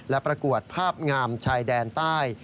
และประกวดภาพงามชายแดนใต้